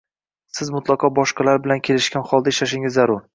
Siz mutlaqo boshqalar bilan kelishgan holda ishlashingiz zarur.